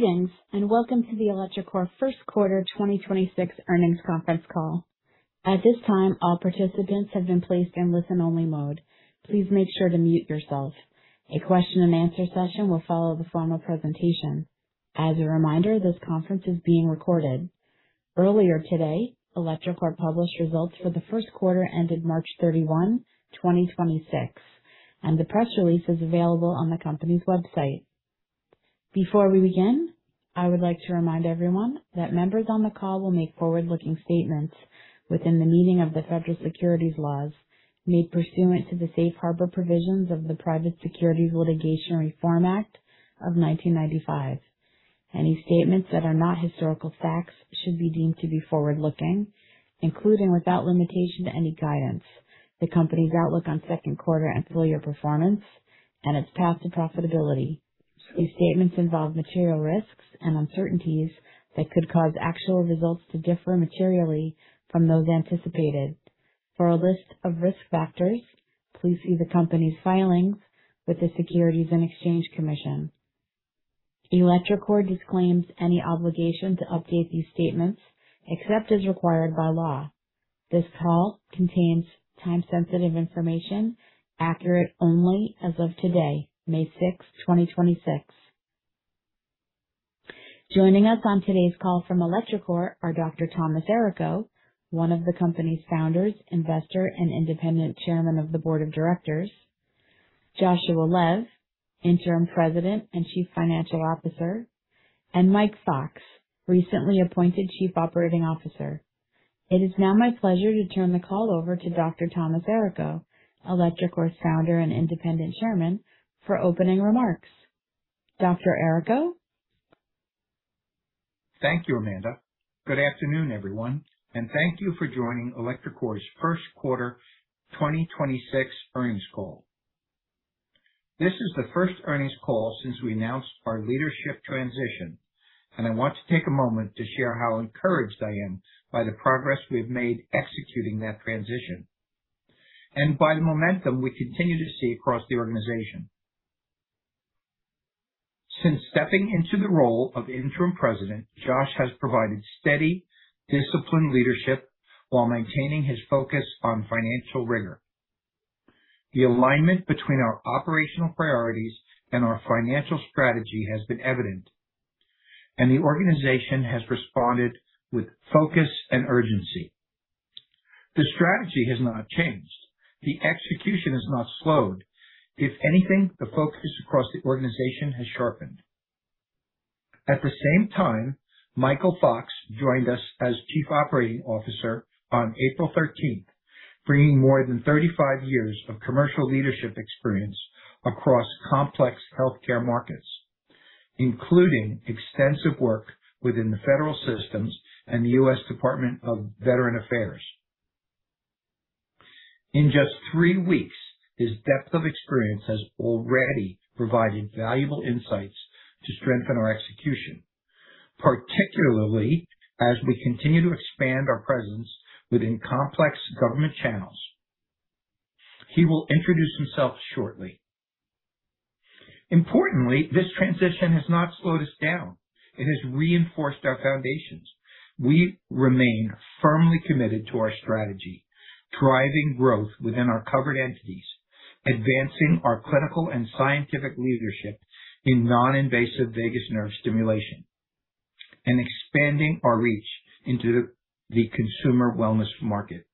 Good evening, welcome to the electroCore first quarter 2026 earnings conference call. At this time, all participants have been placed in listen-only mode. Please make sure to mute yourself. A question and answer session will follow the formal presentation. As a reminder, this conference is being recorded. Earlier today, electroCore published results for the first quarter ended March 31, 2026, and the press release is available on the company's website. Before we begin, I would like to remind everyone that members on the call will make forward-looking statements within the meaning of the federal securities laws made pursuant to the safe harbor provisions of the Private Securities Litigation Reform Act of 1995. Any statements that are not historical facts should be deemed to be forward-looking, including, without limitation to any guidance, the company's outlook on second quarter and full year performance and its path to profitability. These statements involve material risks and uncertainties that could cause actual results to differ materially from those anticipated. For a list of risk factors, please see the company's filings with the Securities and Exchange Commission. electroCore disclaims any obligation to update these statements except as required by law. This call contains time-sensitive information accurate only as of today, May 6, 2026. Joining us on today's call from electroCore are Dr. Thomas J. Errico, one of the company's founders, investor, and Independent Chairman of the Board of Directors, Joshua Lev, Interim President and Chief Financial Officer, and Michael Fox, recently appointed Chief Operating Officer. It is now my pleasure to turn the call over to Dr. Thomas J. Errico, electroCore's Founder and Independent Chairman, for opening remarks. Dr. Errico. Thank you, Amanda. Good afternoon, everyone, and thank you for joining electroCore's first quarter 2026 earnings call. This is the first earnings call since we announced our leadership transition, and I want to take a moment to share how encouraged I am by the progress we have made executing that transition and by the momentum we continue to see across the organization. Since stepping into the role of Interim President, Josh has provided steady, disciplined leadership while maintaining his focus on financial rigor. The alignment between our operational priorities and our financial strategy has been evident, and the organization has responded with focus and urgency. The strategy has not changed. The execution has not slowed. If anything, the focus across the organization has sharpened. At the same time, Michael Fox joined us as Chief Operating Officer on April 13th, bringing more than 35 years of commercial leadership experience across complex healthcare markets, including extensive work within the federal systems and the U.S. Department of Veterans Affairs. In just three weeks, his depth of experience has already provided valuable insights to strengthen our execution, particularly as we continue to expand our presence within complex government channels. He will introduce himself shortly. Importantly, this transition has not slowed us down. It has reinforced our foundations. We remain firmly committed to our strategy, driving growth within our covered entities, advancing our clinical and scientific leadership in non-invasive vagus nerve stimulation, and expanding our reach into the consumer wellness market.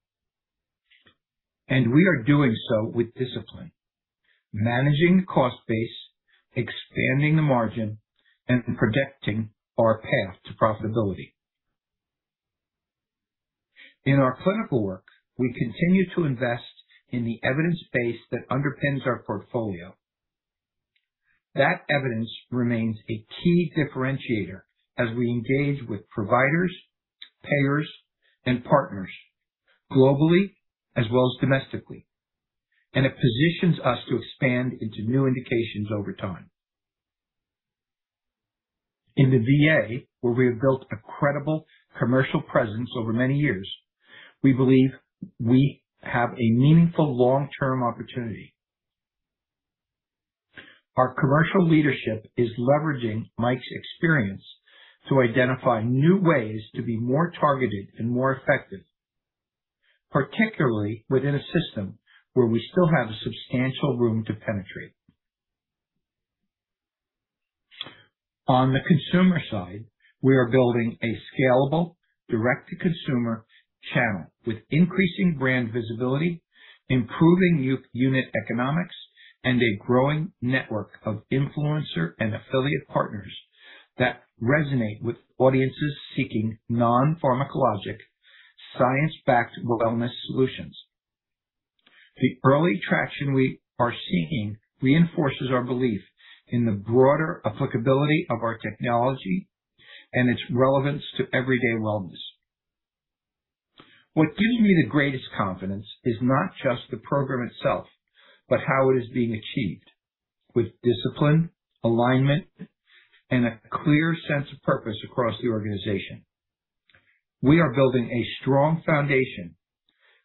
We are doing so with discipline, managing the cost base, expanding the margin, and projecting our path to profitability. In our clinical work, we continue to invest in the evidence base that underpins our portfolio. That evidence remains a key differentiator as we engage with providers, payers, and partners globally as well as domestically, and it positions us to expand into new indications over time. In the VA, where we have built a credible commercial presence over many years, we believe we have a meaningful long-term opportunity. Our commercial leadership is leveraging Mike's experience to identify new ways to be more targeted and more effective, particularly within a system where we still have a substantial room to penetrate. On the consumer side, we are building a scalable direct-to-consumer channel with increasing brand visibility, improving unit economics, and a growing network of influencer and affiliate partners that resonate with audiences seeking non-pharmacologic, science-backed wellness solutions. The early traction we are seeing reinforces our belief in the broader applicability of our technology and its relevance to everyday wellness. What gives me the greatest confidence is not just the program itself, but how it is being achieved with discipline, alignment, and a clear sense of purpose across the organization. We are building a strong foundation.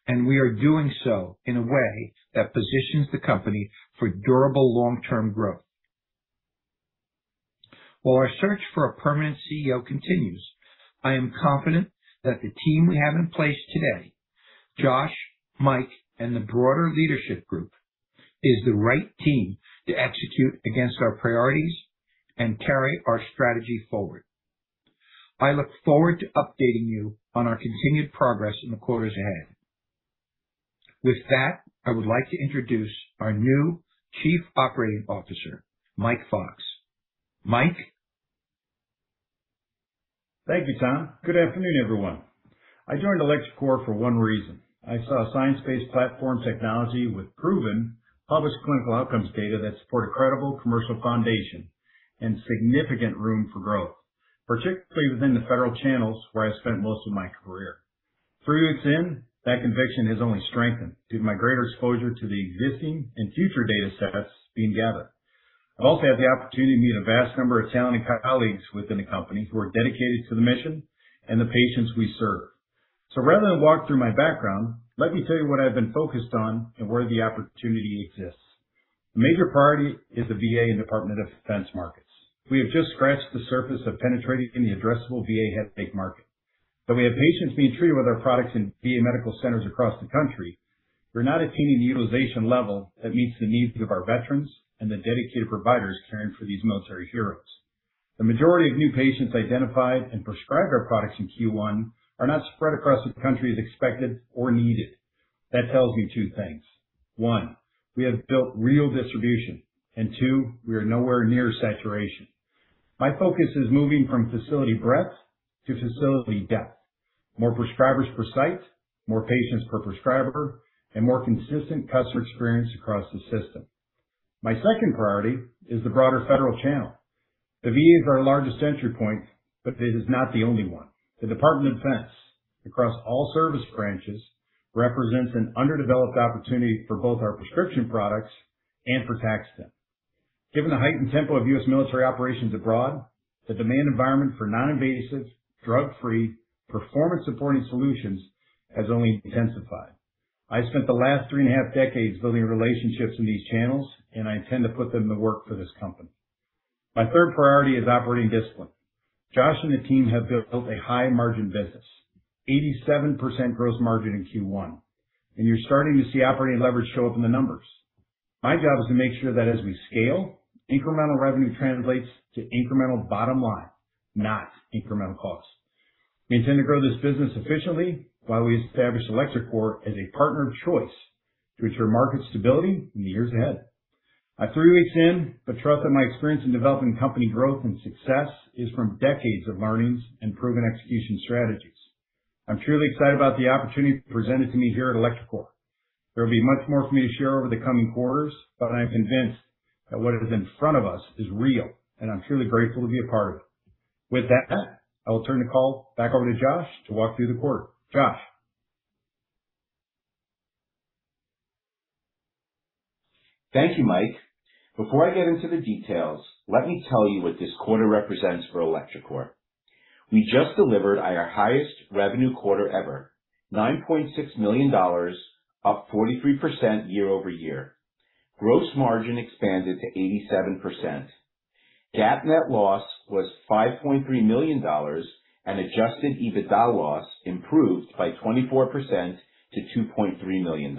We are doing so in a way that positions the company for durable long-term growth. While our search for a permanent CEO continues, I am confident that the team we have in place today, Josh, Mike, and the broader leadership group, is the right team to execute against our priorities and carry our strategy forward. I look forward to updating you on our continued progress in the quarters ahead. With that, I would like to introduce our new Chief Operating Officer, Michael Fox. Mike? Thank you, Tom. Good afternoon, everyone. I joined electroCore for one reason. I saw a science-based platform technology with proven published clinical outcomes data that support a credible commercial foundation and significant room for growth, particularly within the federal channels where I've spent most of my career. Three weeks in, that conviction has only strengthened due to my greater exposure to the existing and future data sets being gathered. I also have the opportunity to meet a vast number of talented colleagues within the company who are dedicated to the mission and the patients we serve. Rather than walk through my background, let me tell you what I've been focused on and where the opportunity exists. The major priority is the VA and Department of Defense markets. We have just scratched the surface of penetrating in the addressable VA headache market. Though we have patients being treated with our products in VA medical centers across the country, we're not attaining the utilization level that meets the needs of our veterans and the dedicated providers caring for these military heroes. The majority of new patients identified and prescribed our products in Q1 are not spread across the country as expected or needed. That tells me two things. One, we have built real distribution. Two, we are nowhere near saturation. My focus is moving from facility breadth to facility depth. More prescribers per site, more patients per prescriber, and more consistent customer experience across the system. My second priority is the broader federal channel. The VA is our largest entry point, it is not the only one. The Department of Defense, across all service branches, represents an underdeveloped opportunity for both our prescription products and for TAC-STIM. Given the heightened tempo of U.S. military operations abroad, the demand environment for non-invasive, drug-free, performance-supporting solutions has only intensified. I spent the last three and a half decades building relationships in these channels, and I intend to put them to work for this company. My third priority is operating discipline. Josh and the team have built a high margin business. 87% gross margin in Q1. You're starting to see operating leverage show up in the numbers. My job is to make sure that as we scale, incremental revenue translates to incremental bottom line, not incremental cost. We intend to grow this business efficiently while we establish electroCore as a partner of choice to ensure market stability in the years ahead. I'm three weeks in, but trust that my experience in developing company growth and success is from decades of learnings and proven execution strategies. I'm truly excited about the opportunity presented to me here at electroCore. There will be much more for me to share over the coming quarters, but I am convinced that what is in front of us is real, and I'm truly grateful to be a part of it. With that, I will turn the call back over to Josh to walk through the quarter. Josh? Thank you, Mike. Before I get into the details, let me tell you what this quarter represents for electroCore. We just delivered our highest revenue quarter ever, $9.6 million, up 43% year-over-year. Gross margin expanded to 87%. GAAP net loss was $5.3 million, and adjusted EBITDA loss improved by 24% to $2.3 million.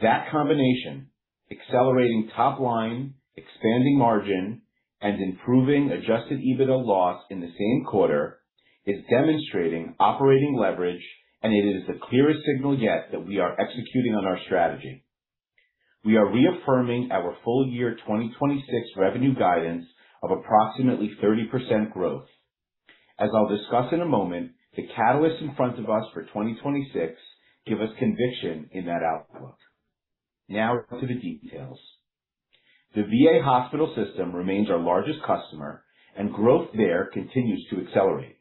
That combination, accelerating top line, expanding margin, and improving adjusted EBITDA loss in the same quarter, is demonstrating operating leverage, and it is the clearest signal yet that we are executing on our strategy. We are reaffirming our full year 2026 revenue guidance of approximately 30% growth. As I'll discuss in a moment, the catalysts in front of us for 2026 give us conviction in that outlook. Now to the details. The VA hospital system remains our largest customer, and growth there continues to accelerate.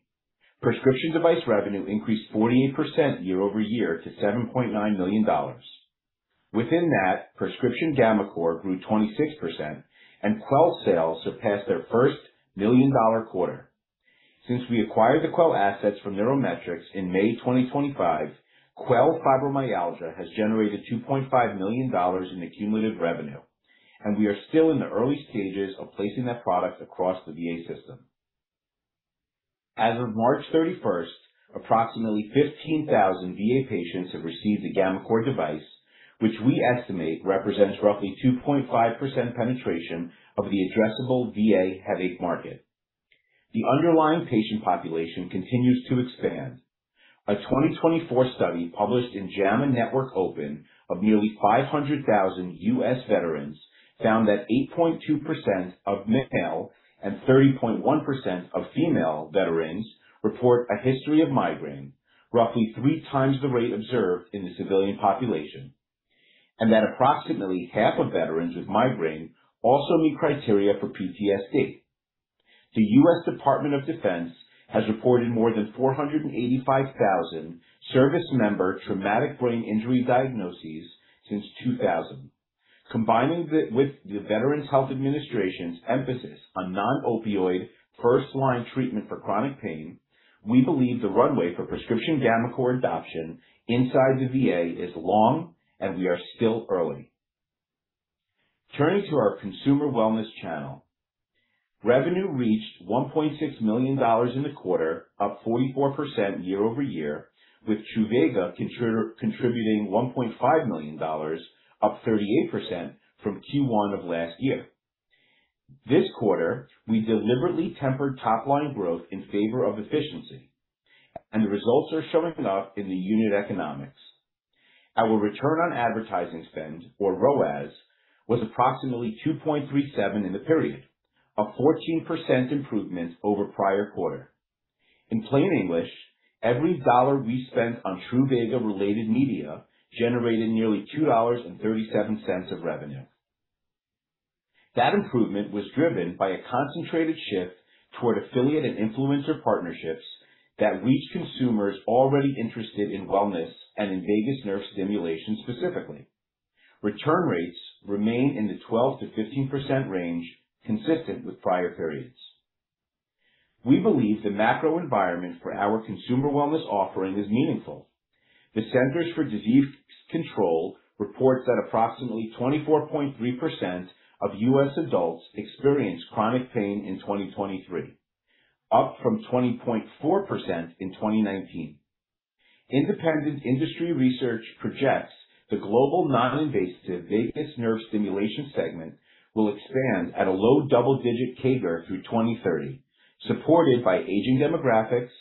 Prescription device revenue increased 48% year-over-year to $7.9 million. Within that, prescription gammaCore grew 26%, and Quell sales surpassed their first million-dollar quarter. Since we acquired the Quell assets from NeuroMetrix in May 2025, Quell Fibromyalgia has generated $2.5 million in cumulative revenue, and we are still in the early stages of placing that product across the VA system. As of March 31st, approximately 15,000 VA patients have received a gammaCore device, which we estimate represents roughly 2.5% penetration of the addressable VA headache market. The underlying patient population continues to expand. A 2024 study published in JAMA Network Open of nearly 500,000 U.S. veterans found that 8.2% of male and 30.1% of female veterans report a history of migraine, roughly three times the rate observed in the civilian population. That approximately half of veterans with migraine also meet criteria for PTSD. The U.S. Department of Defense has reported more than 485,000 service member traumatic brain injury diagnoses since 2000. Combining this, with the Veterans Health Administration's emphasis on non-opioid first-line treatment for chronic pain, we believe the runway for prescription gammaCore adoption inside the VA is long. We are still early. Turning to our consumer wellness channel. Revenue reached $1.6 million in the quarter, up 44% year-over-year, with Truvaga contributing $1.5 million, up 38% from Q1 of last year. This quarter, we deliberately tempered top line growth in favor of efficiency. The results are showing up in the unit economics. Our return on advertising spend or ROAS was approximately 2.37 in the period, a 14% improvement over prior quarter. In plain English, every dollar we spent on Truvaga related media generated nearly $2.37 of revenue. That improvement was driven by a concentrated shift toward affiliate and influencer partnerships that reach consumers already interested in wellness and in vagus nerve stimulation specifically. Return rates remain in the 12%-15% range, consistent with prior periods. We believe the macro environment for our consumer wellness offering is meaningful. The Centers for Disease Control reports that approximately 24.3% of U.S. adults experienced chronic pain in 2023, up from 20.4% in 2019. Independent industry research projects the global non-invasive vagus nerve stimulation segment will expand at a low double-digit CAGR through 2030, supported by aging demographics,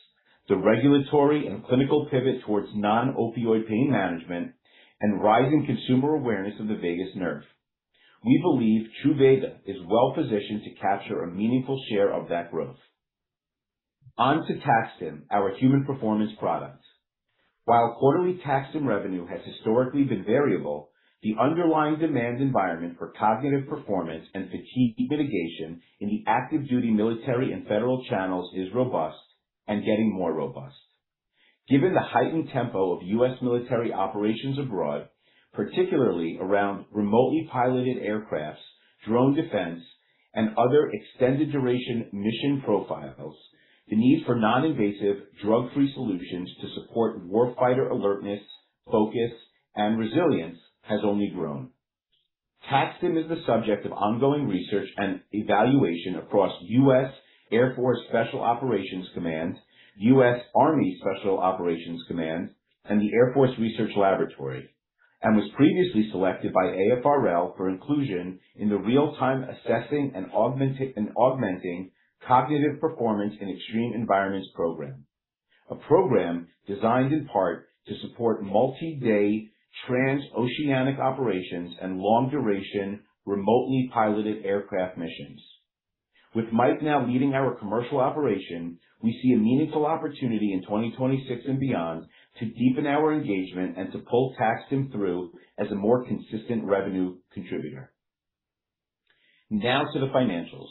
the regulatory and clinical pivot towards non-opioid pain management, and rising consumer awareness of the vagus nerve. We believe Truvaga is well-positioned to capture a meaningful share of that growth. On to TAC-STIM, our human performance product. While quarterly TAC-STIM revenue has historically been variable, the underlying demand environment for cognitive performance and fatigue mitigation in the active duty military and federal channels is robust and getting more robust. Given the heightened tempo of U.S. military operations abroad, particularly around remotely piloted aircrafts, drone defense, and other extended duration mission profiles, the need for non-invasive, drug-free solutions to support warfighter alertness, focus, and resilience has only grown. TAC-STIM is the subject of ongoing research and evaluation across U.S. Air Force Special Operations Command, U.S. Army Special Operations Command, and the Air Force Research Laboratory. Was previously selected by AFRL for inclusion in the real-time Assessing and Augmenting Cognitive Performance in Extreme Environments program. A program designed in part to support multi-day transoceanic operations and long duration remotely piloted aircraft missions. With Mike now leading our commercial operation, we see a meaningful opportunity in 2026 and beyond to deepen our engagement and to pull TAC-STIM through as a more consistent revenue contributor. Now to the financials.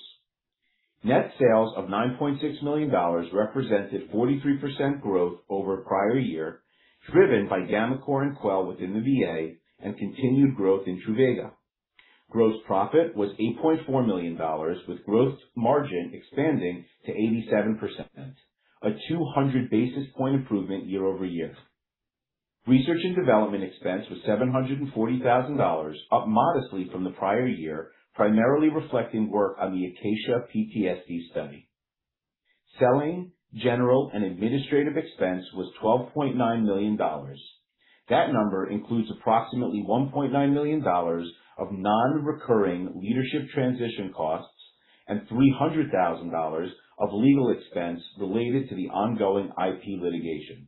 Net sales of $9.6 million represented 43% growth over prior year, driven by gammaCore and Quell within the VA and continued growth in Truvaga. Gross profit was $8.4 million with gross margin expanding to 87%. A 200 basis point improvement year-over-year. Research and development expense was $740,000, up modestly from the prior year, primarily reflecting work on the Acacia PTSD study. Selling, general and administrative expense was $12.9 million. That number includes approximately $1.9 million of non-recurring leadership transition costs and $300,000 of legal expense related to the ongoing IP litigation.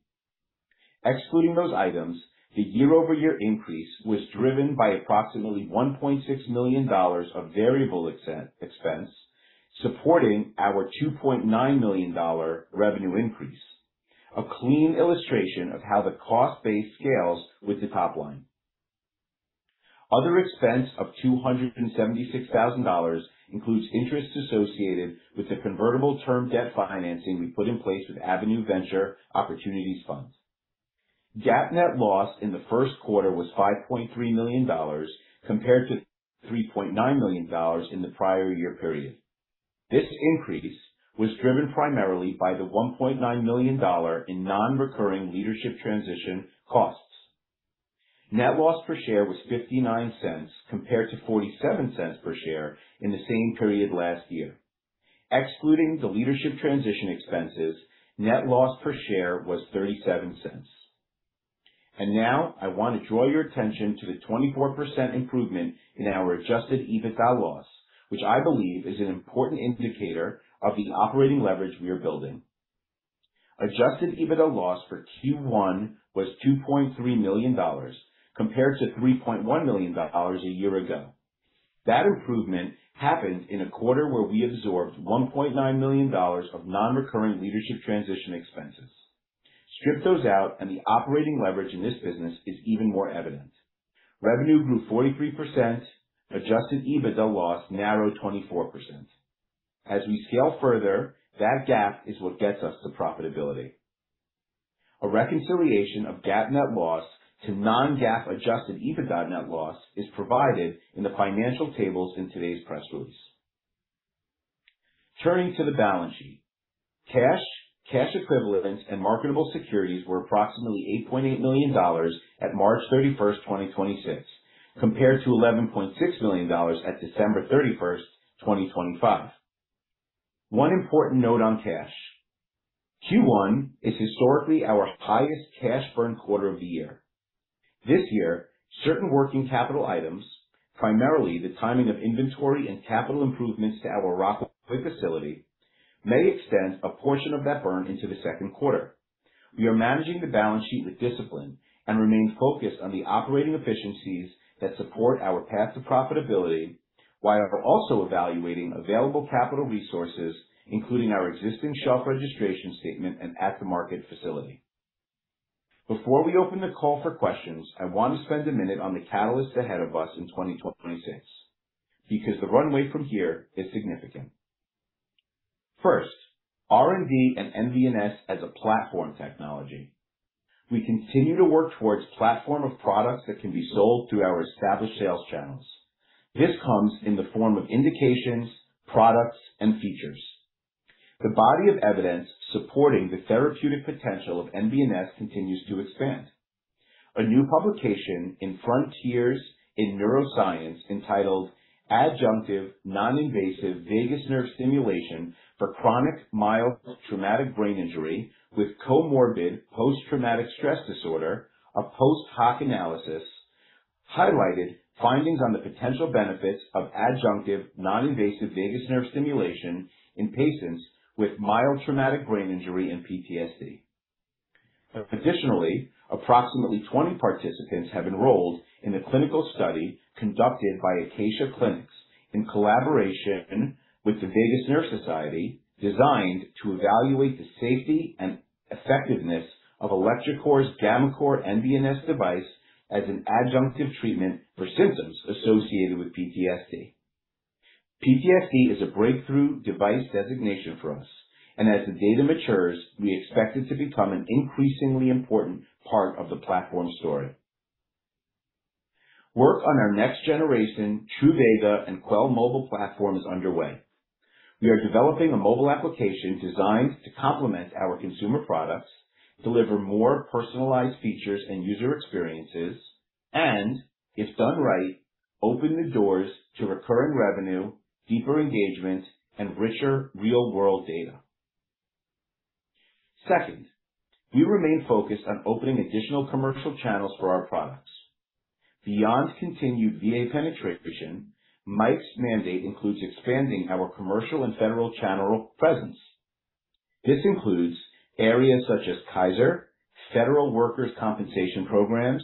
Excluding those items, the year-over-year increase was driven by approximately $1.6 million of variable expense, supporting our $2.9 million revenue increase. A clean illustration of how the cost base scales with the top line. Other expense of $276,000 includes interest associated with the convertible term debt financing we put in place with Avenue Venture Opportunities Fund. GAAP net loss in the first quarter was $5.3 million compared to $3.9 million in the prior year period. This increase was driven primarily by the $1.9 million in non-recurring leadership transition costs. Net loss per share was $0.59 compared to $0.47 per share in the same period last year. Excluding the leadership transition expenses, net loss per share was $0.37. Now I want to draw your attention to the 24% improvement in our adjusted EBITDA loss, which I believe is an important indicator of the operating leverage we are building. Adjusted EBITDA loss for Q1 was $2.3 million compared to $3.1 million a year ago. That improvement happened in a quarter where we absorbed $1.9 million of non-recurring leadership transition expenses. Strip those out, and the operating leverage in this business is even more evident. Revenue grew 43%. Adjusted EBITDA loss narrowed 24%. As we scale further, that gap is what gets us to profitability. A reconciliation of GAAP net loss to non-GAAP adjusted EBITDA net loss is provided in the financial tables in today's press release. Turning to the balance sheet. Cash, cash equivalents and marketable securities were approximately $8.8 million at March 31, 2026, compared to $11.6 million at December 31, 2025. One important note on cash. Q1 is historically our highest cash burn quarter of the year. This year, certain working capital items, primarily the timing of inventory and capital improvements to our Rockaway facility, may extend a portion of that burn into the second quarter. We are managing the balance sheet with discipline and remain focused on the operating efficiencies that support our path to profitability, while also evaluating available capital resources, including our existing shelf registration statement and at-the-market facility. Before we open the call for questions, I want to spend a minute on the catalysts ahead of us in 2026, because the runway from here is significant. First, R&D and NVNS as a platform technology. We continue to work towards platform of products that can be sold through our established sales channels. This comes in the form of indications, products, and features. The body of evidence supporting the therapeutic potential of NVNS continues to expand. A new publication in Frontiers in Neuroscience entitled Adjunctive Non-Invasive Vagus Nerve Stimulation for Chronic Mild Traumatic Brain Injury with Comorbid Post-Traumatic Stress Disorder: A Post-Hoc Analysis, highlighted findings on the potential benefits of adjunctive non-invasive vagus nerve stimulation in patients with mild traumatic brain injury and PTSD. Additionally, approximately 20 participants have enrolled in a clinical study conducted by Acacia Clinics in collaboration with the Vagus Nerve Society, designed to evaluate the safety and effectiveness of electroCore's gammaCore NVNS device as an adjunctive treatment for symptoms associated with PTSD. PTSD is a breakthrough device designation for us. As the data matures, we expect it to become an increasingly important part of the platform story. Work on our next-generation Truvaga and Quell mobile platform is underway. We are developing a mobile application designed to complement our consumer products, deliver more personalized features and user experiences, and, if done right, open the doors to recurring revenue, deeper engagement, and richer real-world data. Second, we remain focused on opening additional commercial channels for our products. Beyond continued VA penetration, Mike's mandate includes expanding our commercial and federal channel presence. This includes areas such as Kaiser, federal workers' compensation programs,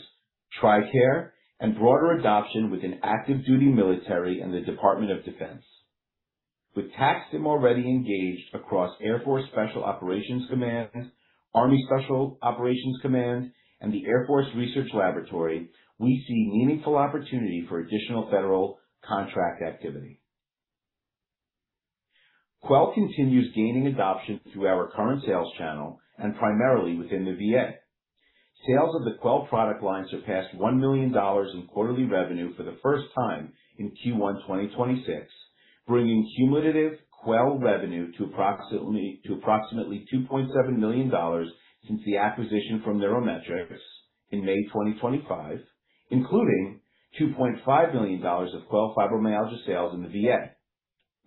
TRICARE, and broader adoption within active duty military and the Department of Defense. With TAC-STIM already engaged across Air Force Special Operations Command, Army Special Operations Command, and the Air Force Research Laboratory, we see meaningful opportunity for additional federal contract activity. Quell continues gaining adoption through our current sales channel and primarily within the VA. Sales of the Quell product line surpassed $1 million in quarterly revenue for the first time in Q1 2026, bringing cumulative Quell revenue to approximately $2.7 million since the acquisition from NeuroMetrix in May 2025, including $2.5 million of Quell Fibromyalgia sales in the VA.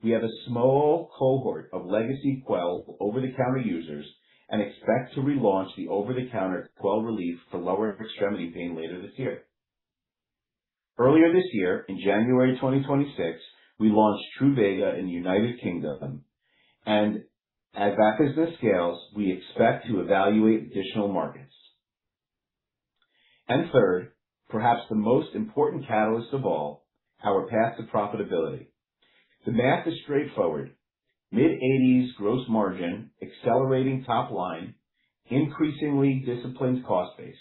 We have a small cohort of legacy Quell over-the-counter users and expect to relaunch the over-the-counter Quell Relief for lower extremity pain later this year. Earlier this year, in January 2026, we launched Truvaga in the U.K. As that business scales, we expect to evaluate additional markets. Third, perhaps the most important catalyst of all, our path to profitability. The math is straightforward. Mid-80s gross margin, accelerating top line, increasingly disciplined cost base.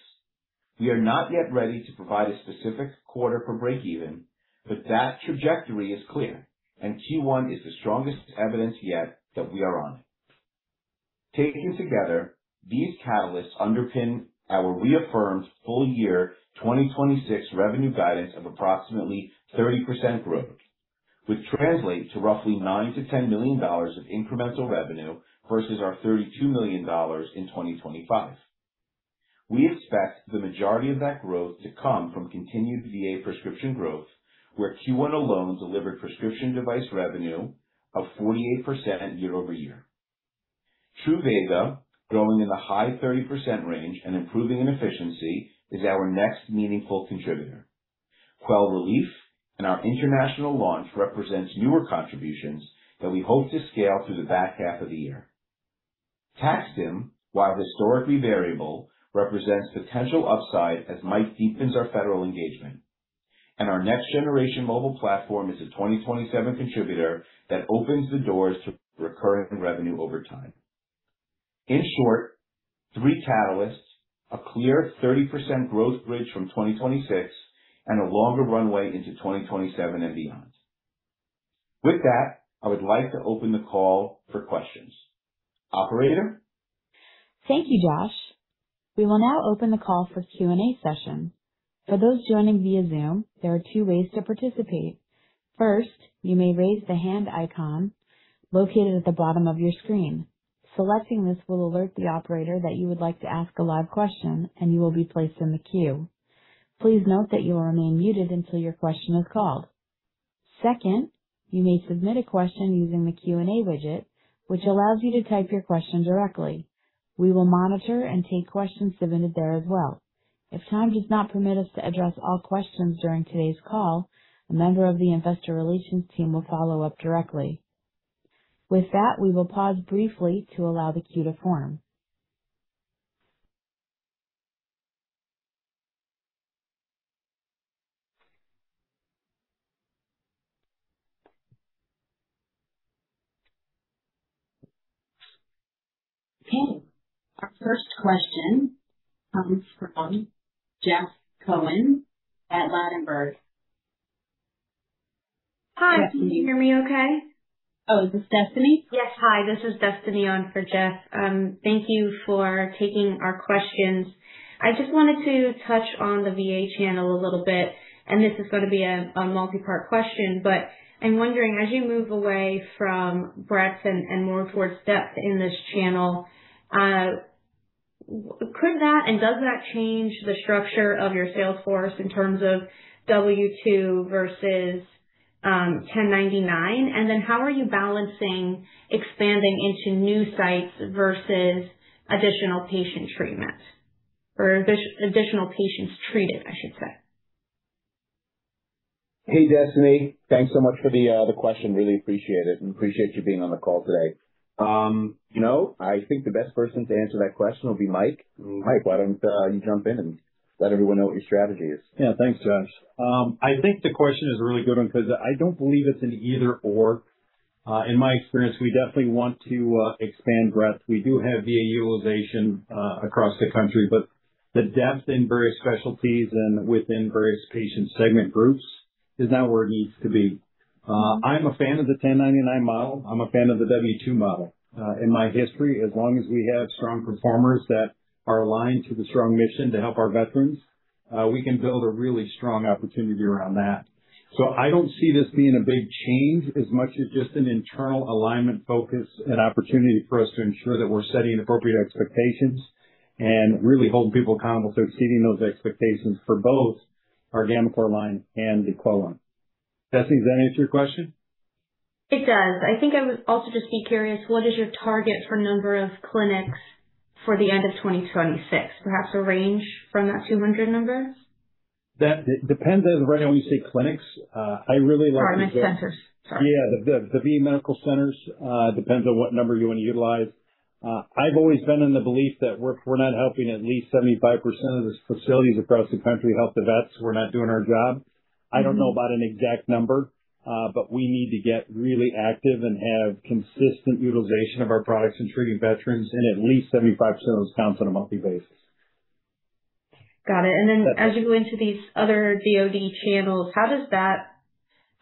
We are not yet ready to provide a specific quarter for breakeven, but that trajectory is clear, and Q1 is the strongest evidence yet that we are on it. Taken together, these catalysts underpin our reaffirmed full year 2026 revenue guidance of approximately 30% growth, which translates to roughly $9 million-$10 million of incremental revenue versus our $32 million in 2025. We expect the majority of that growth to come from continued VA prescription growth, where Q1 alone delivered prescription device revenue of 48% year-over-year. Truvaga, growing in the high 30% range and improving in efficiency, is our next meaningful contributor. Quell Relief and our international launch represents newer contributions that we hope to scale through the back half of the year. TAC-STIM, while historically variable, represents potential upside as Mike deepens our federal engagement. Our next-generation mobile platform is a 2027 contributor that opens the doors to recurring revenue over time. In short, three catalysts, a clear 30% growth bridge from 2026 and a longer runway into 2027 and beyond. With that, I would like to open the call for questions. Operator? Thank you, Josh. We will now open the call for Q&A session. For those joining via Zoom, there are two ways to participate. First, you may raise the Hand icon located at the bottom of your screen. Selecting this will alert the operator that you would like to ask a live question, and you will be placed in the queue. Please note that you will remain muted until your question is called. Second, you may submit a question using the Q&A widget, which allows you to type your question directly. We will monitor and take questions submitted there as well. If time does not permit us to address all questions during today's call, a member of the investor relations team will follow up directly. With that, we will pause briefly to allow the queue to form. Okay. Our first question comes from Jeff Cohen at Ladenburg. Hi. Destiny. Can you hear me okay? Oh, is this Destiny? Yes. Hi, this is Destiny on for Jeff. Thank you for taking our questions. I just wanted to touch on the VA channel a little bit, and this is gonna be a multi-part question, but I'm wondering, as you move away from breadth and more towards depth in this channel, could that and does that change the structure of your sales force in terms of W-2 versus 1099? How are you balancing expanding into new sites versus additional patient treatment, or additional patients treated, I should say? Hey, Destiny. Thanks so much for the question. Really appreciate it and appreciate you being on the call today. You know, I think the best person to answer that question would be Mike. Mike, why don't you jump in and let everyone know what your strategy is? Yeah. Thanks, Josh. I think the question is a really good one because I don't believe it's an either/or. In my experience, we definitely want to expand breadth. We do have VA utilization across the country, but the depth in various specialties and within various patient segment groups is not where it needs to be. I'm a fan of the 1099 model. I'm a fan of the W-2 model. In my history, as long as we have strong performers that are aligned to the strong mission to help our veterans, we can build a really strong opportunity around that. I don't see this being a big change as much as just an internal alignment focus and opportunity for us to ensure that we're setting appropriate expectations and really holding people accountable to exceeding those expectations for both our gammaCore and the Quell. Destiny, does that answer your question? It does. I think I would also just be curious, what is your target for number of clinics for the end of 2026? Perhaps a range from that 200 number. That depends on when you say clinics. Medical centers. Sorry. Yeah, the VA medical centers, depends on what number you wanna utilize. I've always been in the belief that we're not helping at least 75% of the facilities across the country help the vets, we're not doing our job. I don't know about an exact number, but we need to get really active and have consistent utilization of our products in treating veterans in at least 75% of those counts on a monthly basis. Got it. As you go into these other DoD channels, how does that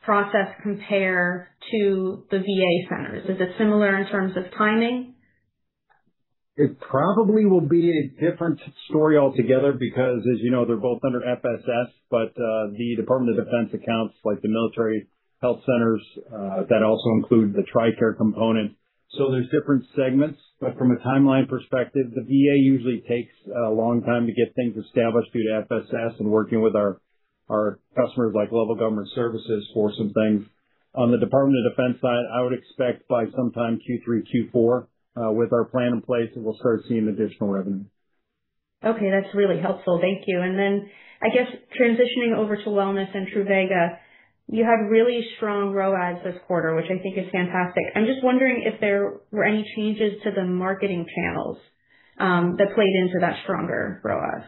process compare to the VA centers? Is it similar in terms of timing? It probably will be a different story altogether because, as you know, they're both under FSS, but the Department of Defense accounts, like the military health centers, that also include the TRICARE component. There's different segments, but from a timeline perspective, the VA usually takes a long time to get things established due to FSS and working with our customers, like Lovell Government Services for some things. On the Department of Defense side, I would expect by sometime 2023, 2024, with our plan in place that we'll start seeing additional revenue. Okay, that's really helpful. Thank you. I guess transitioning over to wellness and Truvaga, you have really strong ROAS this quarter, which I think is fantastic. I'm just wondering if there were any changes to the marketing channels that played into that stronger ROAS.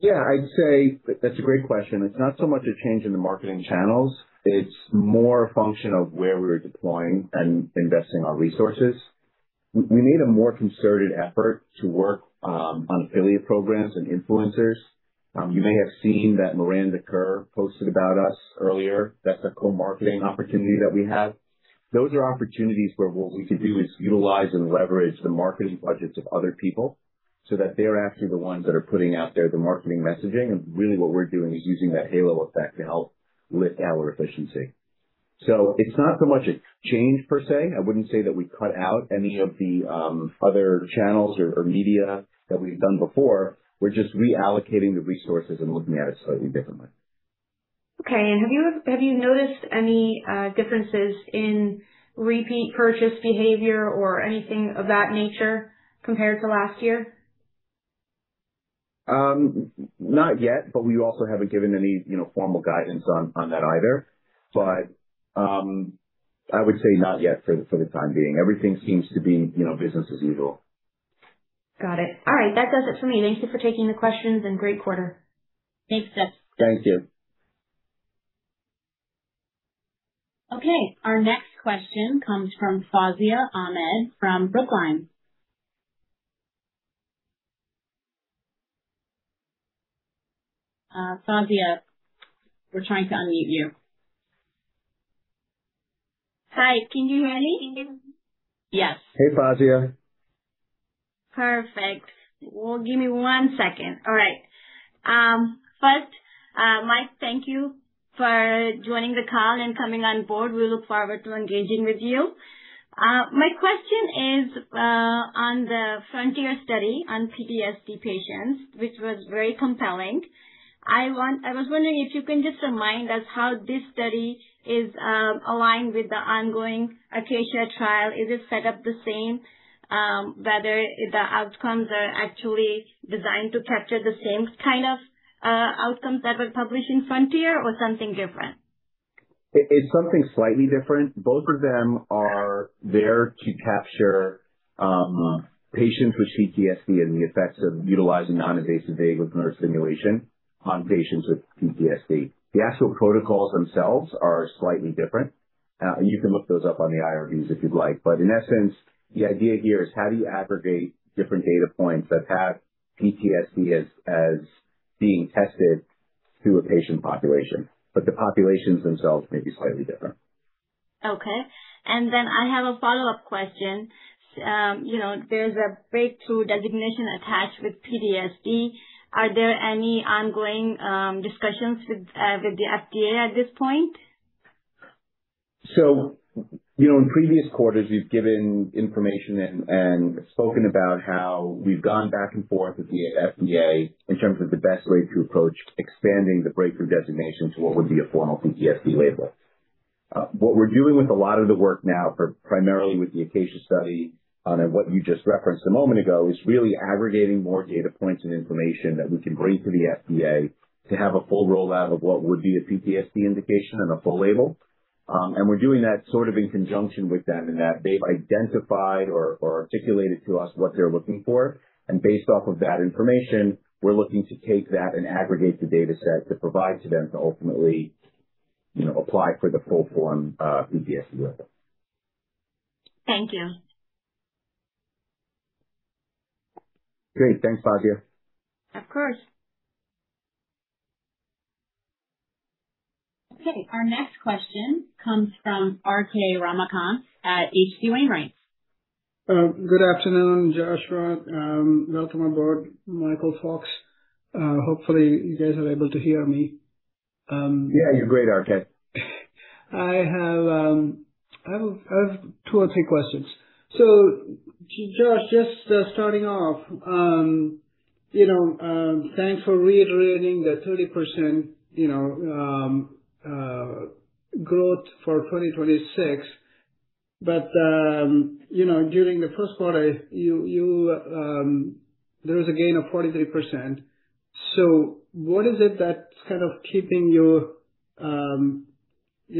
Yeah, I'd say that's a great question. It's not so much a change in the marketing channels, it's more a function of where we're deploying and investing our resources. We made a more concerted effort to work on affiliate programs and influencers. You may have seen that Miranda Kerr posted about us earlier. That's a co-marketing opportunity that we have. Those are opportunities where what we can do is utilize and leverage the marketing budgets of other people so that they're actually the ones that are putting out there the marketing messaging, and really what we're doing is using that halo effect to help lift our efficiency. It's not so much a change per se. I wouldn't say that we cut out any of the other channels or media that we've done before. We're just reallocating the resources and looking at it slightly differently. Okay. Have you noticed any differences in repeat purchase behavior or anything of that nature compared to last year? Not yet, but we also haven't given any, you know, formal guidance on that either. I would say not yet for the, for the time being. Everything seems to be, you know, business as usual. Got it. All right. That does it for me. Thank you for taking the questions and great quarter. Thanks, Destiny. Thank you. Okay, our next question comes from Fozia Ahmed from Brookline. Fozia, we're trying to unmute you. Hi. Can you hear me? Yes. Hey, Fozia. Perfect. Give me one second. All right. First, Mike, thank you for joining the call and coming on board. We look forward to engaging with you. My question is on the Frontier study on PTSD patients, which was very compelling. I was wondering if you can just remind us how this study is aligned with the ongoing Acacia trial. Is it set up the same, whether the outcomes are actually designed to capture the same kind of outcomes that were published in Frontier or something different? It's something slightly different. Both of them are there to capture patients with PTSD and the effects of utilizing non-invasive vagus nerve stimulation on patients with PTSD. The actual protocols themselves are slightly different. You can look those up on the IRBs if you'd like. In essence, the idea here is how do you aggregate different data points that have PTSD as being tested to a patient population, but the populations themselves may be slightly different. Okay. Then I have a follow-up question. You know, there's a breakthrough designation attached with PTSD. Are there any ongoing discussions with the FDA at this point? You know, in previous quarters, we've given information and spoken about how we've gone back and forth with the FDA in terms of the best way to approach expanding the breakthrough designation to what would be a formal PTSD label. What we're doing with a lot of the work now for primarily with the Acacia study, and what you just referenced a moment ago, is really aggregating more data points and information that we can bring to the FDA to have a full rollout of what would be a PTSD indication and a full label. We're doing that sort of in conjunction with them in that they've identified or articulated to us what they're looking for. Based off of that information, we're looking to take that and aggregate the data set to provide to them to ultimately, you know, apply for the full form, PTSD label. Thank you. Great. Thanks, Fozia. Of course. Okay, our next question comes from Swayampakula Ramakanth at H.C. Wainwright & Co. Good afternoon, Joshua. Welcome aboard Michael Fox. Hopefully, you guys are able to hear me. Yeah, you're great, RK. I have two or three questions. Josh, just starting off, you know, thanks for reiterating the 30%, you know, growth for 2026. You know, during the first quarter, you, there was a gain of 43%. What is it that's kind of keeping you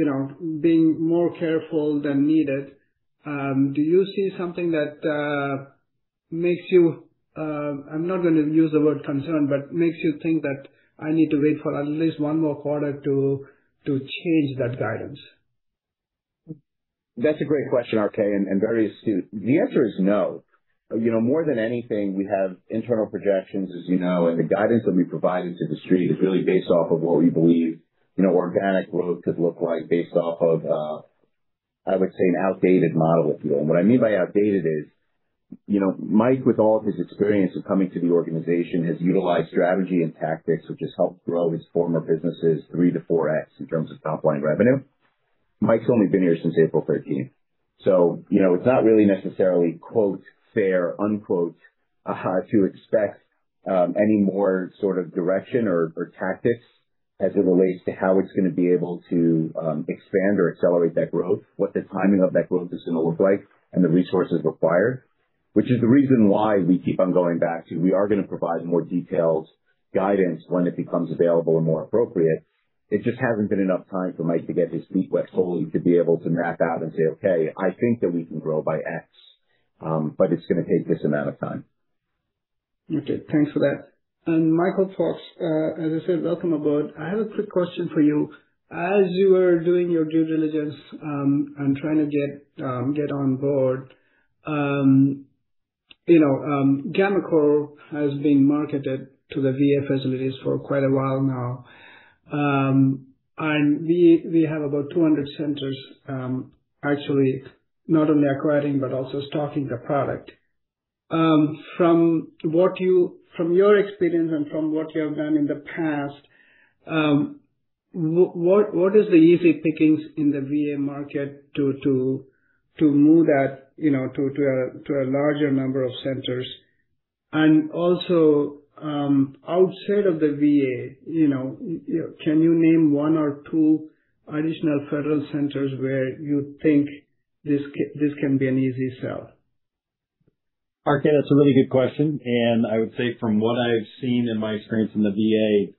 know, being more careful than needed? Do you see something that makes you, I'm not gonna use the word concerned, but makes you think that I need to wait for at least one more quarter to change that guidance? That's a great question, RK, and very astute. The answer is no. You know, more than anything, we have internal projections, as you know, the guidance that we provided to the street is really based off of what we believe, you know, organic growth could look like based off of, I would say an outdated model, if you will. What I mean by outdated is, you know, Mike, with all of his experience of coming to the organization, has utilized strategy and tactics which has helped grow his former businesses 3x-4x in terms of top line revenue. Mike's only been here since April 13th. You know, it's not really necessarily, quote, fair, unquote, to expect any more sort of direction or tactics as it relates to how it's gonna be able to expand or accelerate that growth, what the timing of that growth is gonna look like and the resources required. Which is the reason why we keep on going back to, we are gonna provide more detailed guidance when it becomes available and more appropriate. It just hasn't been enough time for Mike to get his feet wet fully to be able to map out and say, "Okay, I think that we can grow by X, but it's gonna take this amount of time. Okay, thanks for that. Michael Fox, as I said, welcome aboard. I have a quick question for you. As you were doing your due diligence, and trying to get on board, gammaCore has been marketed to the VA facilities for quite a while now. We have about 200 centers, actually not only acquiring but also stocking the product. From your experience and from what you have done in the past, what is the easy pickings in the VA market to a larger number of centers? Also, outside of the VA, can you name one or two additional federal centers where you think this can be an easy sell? RK, that's a really good question. I would say from what I've seen in my experience in the VA,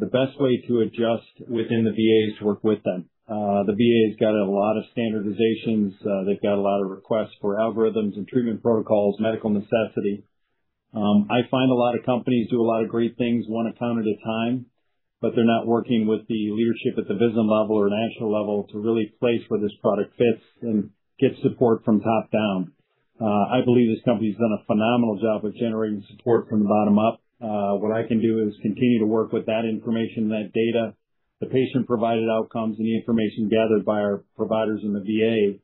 the best way to adjust within the VA is to work with them. The VA's got a lot of standardizations. They've got a lot of requests for algorithms and treatment protocols, medical necessity. I find a lot of companies do a lot of great things one at a time. They're not working with the leadership at the vision level or national level to really place where this product fits and get support from top down. I believe this company's done a phenomenal job of generating support from the bottom up. What I can do is continue to work with that information, that data, the patient-provided outcomes and the information gathered by our providers in the VA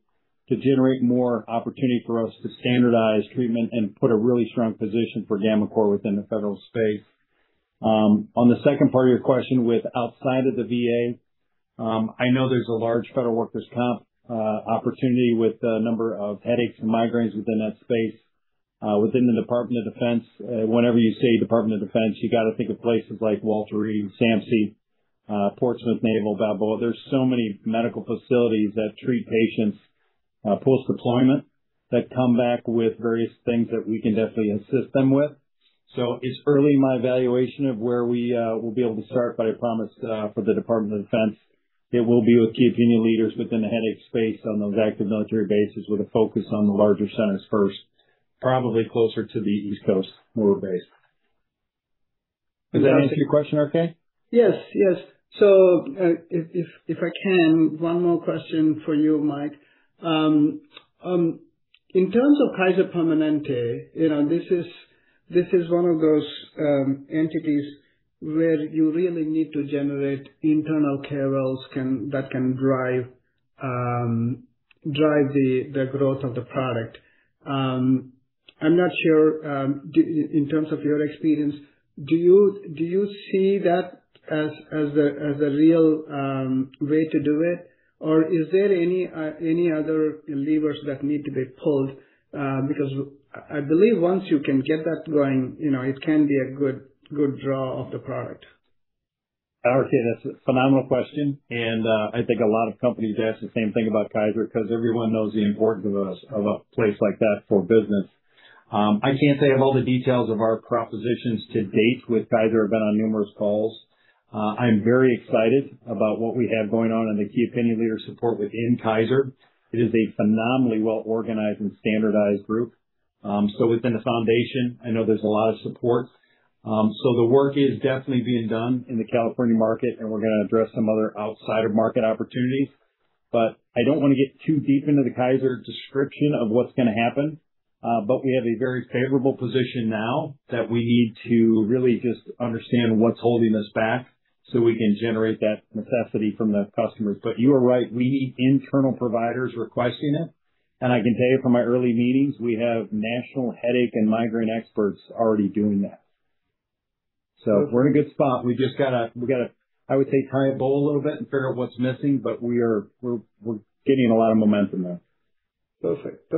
to generate more opportunity for us to standardize treatment and put a really strong position for gammaCore within the federal space. On the second part of your question with outside of the VA, I know there's a large federal workers comp opportunity with a number of headaches and migraines within that space. Within the Department of Defense, whenever you say Department of Defense, you got to think of places like Walter Reed, SAMMC, Portsmouth Naval, Balboa. There's so many medical facilities that treat patients post-deployment that come back with various things that we can definitely assist them with. It's early in my evaluation of where we will be able to start, but I promise, for the Department of Defense, it will be with key opinion leaders within the headache space on those active military bases with a focus on the larger centers first, probably closer to the East Coast, more base. Does that answer your question, RK? Yes, yes, if I can, one more question for you, Mike. In terms of Kaiser Permanente, you know, this is one of those entities where you really need to generate internal KOLs that can drive the growth of the product. I'm not sure, in terms of your experience, do you see that as a real way to do it? Or is there any other levers that need to be pulled? Because I believe once you can get that going, you know, it can be a good draw of the product. RK, that's a phenomenal question. I think a lot of companies ask the same thing about Kaiser because everyone knows the importance of a place like that for business. I can't say of all the details of our propositions to date with Kaiser. I've been on numerous calls. I'm very excited about what we have going on in the key opinion leader support within Kaiser. It is a phenomenally well-organized and standardized group. Within the foundation, I know there's a lot of support. The work is definitely being done in the California market, and we're gonna address some other outside of market opportunities. I don't want to get too deep into the Kaiser description of what's gonna happen. We have a very favorable position now that we need to really just understand what's holding us back so we can generate that necessity from the customers. You are right, we need internal providers requesting it. I can tell you from my early meetings, we have national headache and migraine experts already doing that. We're in a good spot. We just gotta, I would say, try and bowl a little bit and figure out what's missing, we are, we're gaining a lot of momentum there. Perfect.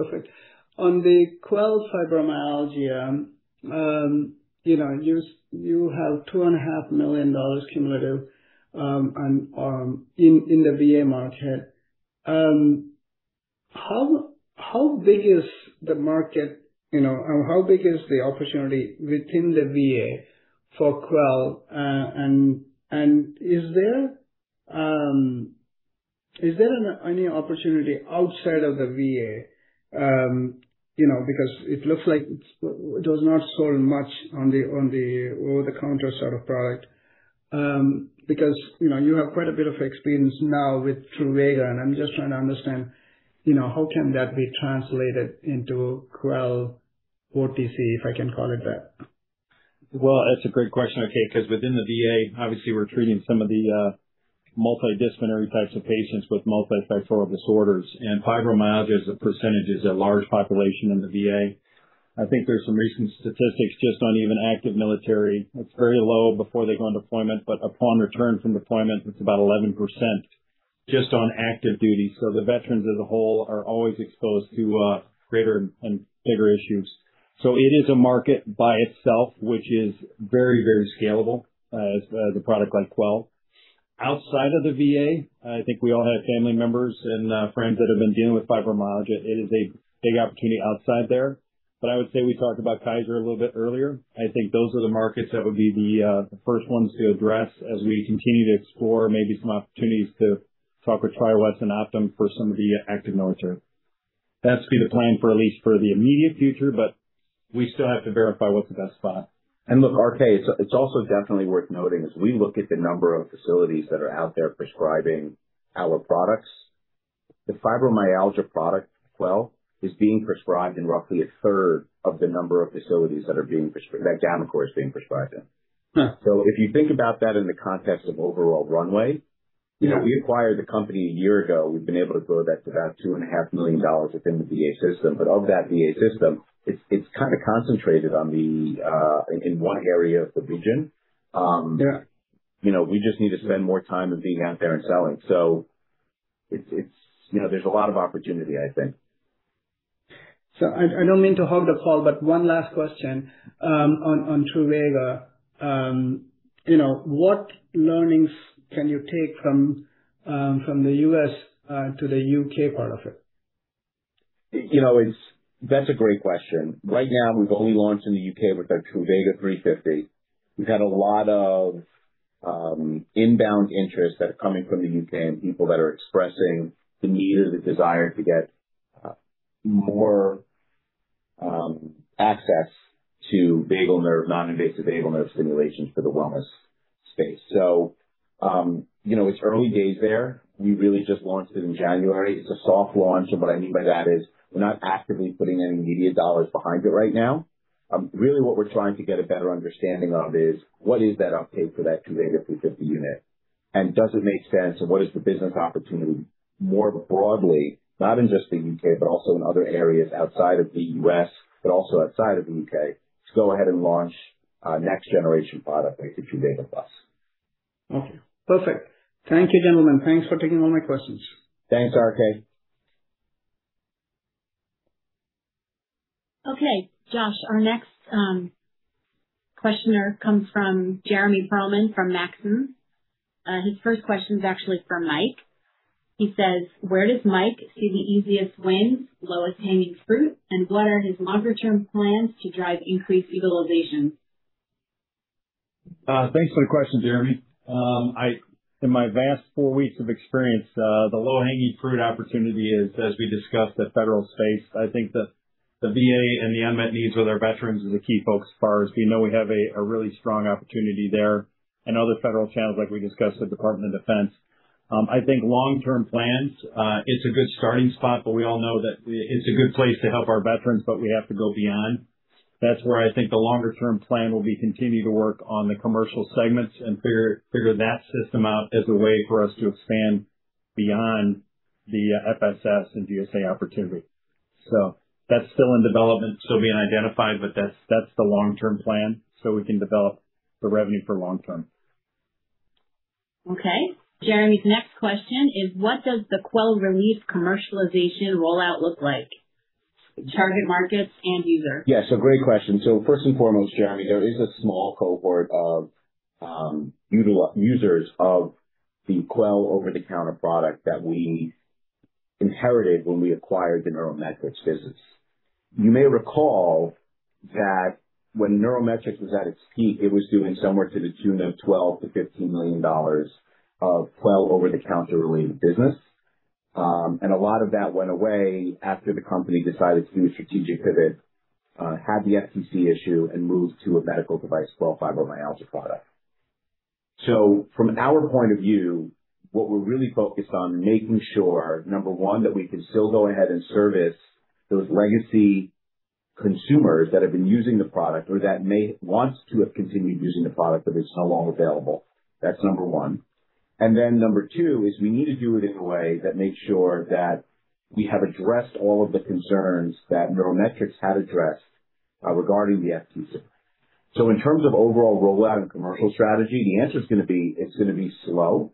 On the Quell Fibromyalgia, you know, you have $2.5 million cumulative in the VA market. How big is the market, you know, and how big is the opportunity within the VA for Quell? Is there any opportunity outside of the VA? You know, because it looks like it does not sell much on the over-the-counter sort of product. You know, you have quite a bit of experience now with Truvaga, and I'm just trying to understand, you know, how can that be translated into Quell OTC, if I can call it that. Well, that's a great question, RK, 'cause within the VA, obviously we're treating some of the multidisciplinary types of patients with multifactorial disorders, and fibromyalgia as a percentage is a large population in the VA. I think there's some recent statistics just on even active military. It's very low before they go on deployment, but upon return from deployment, it's about 11% just on active duty. The veterans as a whole are always exposed to greater and bigger issues. It is a market by itself, which is very, very scalable, as a product like Quell. Outside of the VA, I think we all have family members and friends that have been dealing with fibromyalgia. It is a big opportunity outside there. I would say we talked about Kaiser a little bit earlier. I think those are the markets that would be the first ones to address as we continue to explore maybe some opportunities to talk with TriWest and Optum for some of the active military. That's been the plan for at least for the immediate future, but we still have to verify what's the best spot. Look, RK, it's also definitely worth noting as we look at the number of facilities that are out there prescribing our products. The fibromyalgia product, Quell, is being prescribed in roughly a third of the number of facilities that are being that gammaCore is being prescribed in. Huh. If you think about that in the context of overall runway, you know, we acquired the company a year ago. We've been able to grow that to about $2.5 million within the VA system. Of that VA system, it's kind of concentrated on the in one area of the region. Yeah. You know, we just need to spend more time in being out there and selling. It's, you know, there's a lot of opportunity, I think. I don't mean to hog the call, but one last question, on Truvaga. You know, what learnings can you take from the U.S. to the U.K. part of it? You know, that's a great question. Right now, we've only launched in the U.K. with our Truvaga 350. We've had a lot of inbound interest that are coming from the U.K. and people that are expressing the need or the desire to get more access to vagus nerve, non-invasive vagus nerve stimulation for the wellness space. You know, it's early days there. We really just launched it in January. It's a soft launch, and what I mean by that is we're not actively putting any media $ behind it right now. Really what we're trying to get a better understanding of is what is that uptake for that Truvaga 350 unit, and does it make sense, and what is the business opportunity more broadly, not in just the U.K., but also in other areas outside of the U.S., but also outside of the U.K. to go ahead and launch our next-generation product, a Truvaga Plus. Okay, perfect. Thank you, gentlemen. Thanks for taking all my questions. Thanks, RK. Okay. Josh, our next questioner comes from Jeremy Bauman from Maxim. His first question is actually for Mike. He says, "Where does Mike see the easiest wins, lowest-hanging fruit, and what are his longer term plans to drive increased utilization? Thanks for the question, Jeremy. In my vast four weeks of experience, the low-hanging fruit opportunity is, as we discussed, the federal space. I think that the VA and the unmet needs with our veterans is a key focus for us. We know we have a really strong opportunity there and other federal channels, like we discussed, the Department of Defense. I think long-term plans, it's a good starting spot, but we all know that it's a good place to help our veterans, but we have to go beyond. That's where I think the longer term plan will be continue to work on the commercial segments and figure that system out as a way for us to expand beyond the FSS and VA opportunity. That's still in development, still being identified, but that's the long-term plan so we can develop the revenue for long term. Okay. Jeremy's next question is, "What does the Quell Relief commercialization rollout look like? Target markets and users. Great question. First and foremost, Jeremy, there is a small cohort of users of the Quell over-the-counter product that we inherited when we acquired the NeuroMetrix business. You may recall that when NeuroMetrix was at its peak, it was doing somewhere to the tune of $12 million-$15 million of Quell over-the-counter relief business. A lot of that went away after the company decided to do a strategic pivot, had the FTC issue and moved to a medical device, Quell Fibromyalgia product. From our point of view, what we're really focused on making sure, number one, that we can still go ahead and service those legacy consumers that have been using the product or that may want to have continued using the product, but it's no longer available. That's number one. Number two is we need to do it in a way that makes sure that we have addressed all of the concerns that NeuroMetrix had addressed regarding the FTC. In terms of overall rollout and commercial strategy, the answer is gonna be, it's gonna be slow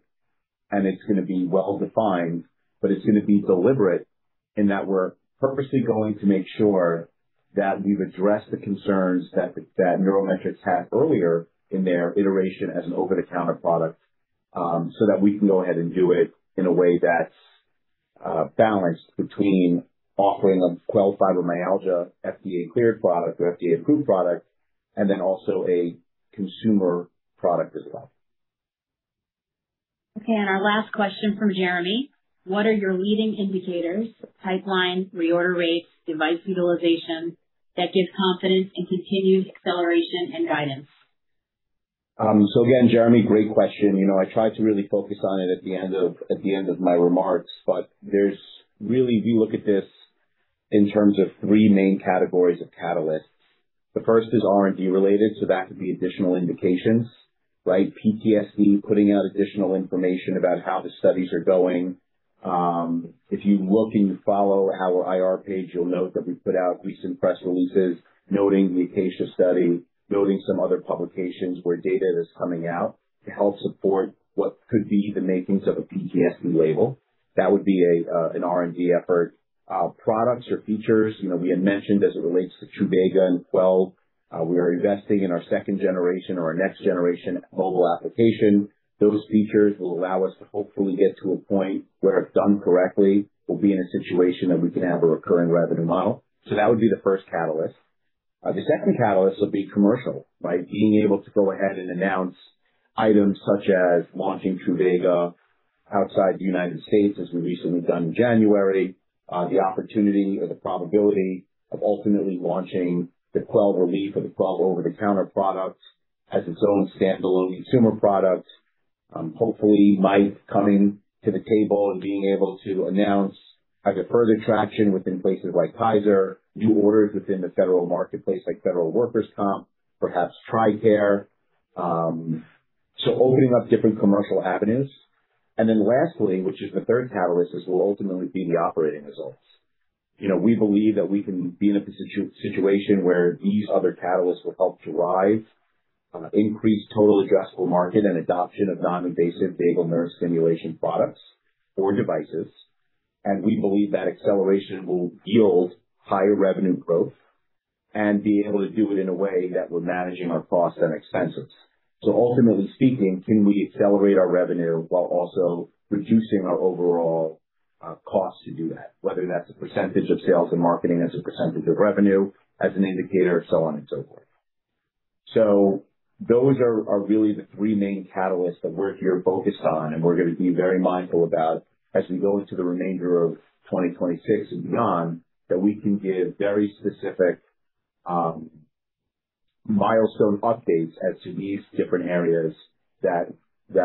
and it's gonna be well-defined, but it's gonna be deliberate in that we're purposely going to make sure that we've addressed the concerns that NeuroMetrix had earlier in their iteration as an over-the-counter product, so that we can go ahead and do it in a way that's balanced between offering a Quell Fibromyalgia FDA-cleared product or FDA-approved product, and then also a consumer product as well. Okay. Our last question from Jeremy, "What are your leading indicators, pipeline, reorder rates, device utilization that give confidence in continued acceleration and guidance? Again, Jeremy, great question. You know, I tried to really focus on it at the end of, at the end of my remarks, there's really, if you look at this in terms of three main categories of catalysts. The first is R&D related, that could be additional indications, right? PTSD, putting out additional information about how the studies are going. If you look and follow our IR page, you'll note that we put out recent press releases noting the Acacia study, noting some other publications where data is coming out to help support what could be the makings of a PTSD label. That would be an R&D effort. Products or features, you know, we had mentioned as it relates to Truvaga and Quell, we are investing in our second-generation or our next-generation mobile application. Those features will allow us to hopefully get to a point where if done correctly, we'll be in a situation that we can have a recurring revenue model. That would be the first catalyst. The second catalyst would be commercial. By being able to go ahead and announce items such as launching Truvaga outside the United States, as we recently done in January. The opportunity or the probability of ultimately launching the Quell Relief or the Quell over-the-counter product as its own standalone consumer product. Hopefully Mike coming to the table and being able to announce either further traction within places like Kaiser, new orders within the federal marketplace, like Federal Workers Comp, perhaps TRICARE. Opening up different commercial avenues. Lastly, which is the third catalyst, this will ultimately be the operating results. You know, we believe that we can be in a situation where these other catalysts will help drive increased total addressable market and adoption of non-invasive vagal nerve stimulation products or devices. We believe that acceleration will yield higher revenue growth and be able to do it in a way that we're managing our costs and expenses. Ultimately speaking, can we accelerate our revenue while also reducing our overall cost to do that? Whether that's a percentage of sales and marketing, as a percentage of revenue, as an indicator, so on and so forth. Those are really the three main catalysts that we're here focused on, and we're gonna be very mindful about as we go into the remainder of 2026 and beyond, that we can give very specific milestone updates as to these different areas that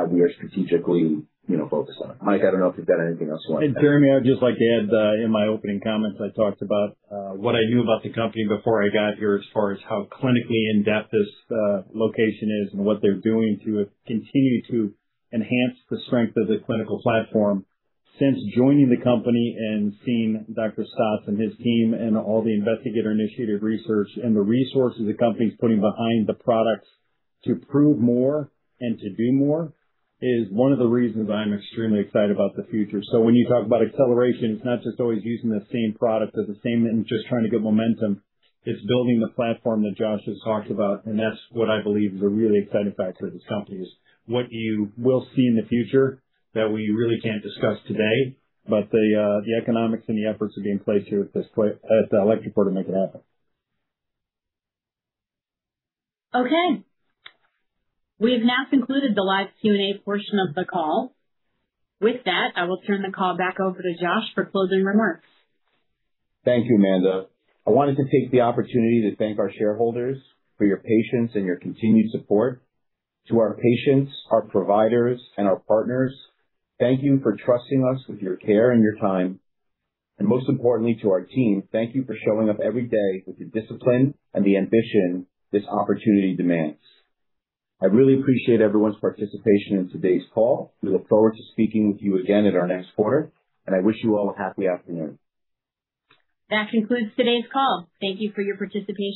we are strategically, you know, focused on. Mike, I don't know if you've got anything else you wanna add. Jeremy, I'd just like to add, in my opening comments, I talked about what I knew about the company before I got here as far as how clinically in-depth this location is and what they're doing to continue to enhance the strength of the clinical platform. Since joining the company and seeing Dr. Staats and his team and all the investigator-initiated research and the resources the company's putting behind the products to prove more and to do more is one of the reasons I'm extremely excited about the future. When you talk about acceleration, it's not just always using the same product or the same and just trying to get momentum. It's building the platform that Josh has talked about, and that's what I believe is a really exciting factor of this company is what you will see in the future that we really can't discuss today. The economics and the efforts are being placed here at this point, at electroCore to make it happen. Okay. We have now concluded the live Q&A portion of the call. With that, I will turn the call back over to Josh for closing remarks. Thank you, Amanda. I wanted to take the opportunity to thank our shareholders for your patience and your continued support. To our patients, our providers, and our partners, thank you for trusting us with your care and your time. Most importantly to our team, thank you for showing up every day with the discipline and the ambition this opportunity demands. I really appreciate everyone's participation in today's call. We look forward to speaking with you again at our next quarter, and I wish you all a happy afternoon. That concludes today's call. Thank you for your participation.